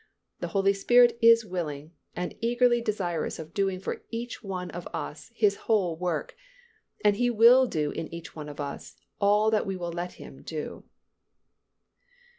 The Holy Spirit is willing and eagerly desirous of doing for each one of us His whole work, and He will do in each one of us all that we will let Him do.